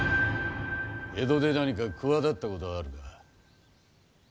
江戸で何か企てたことはあるか。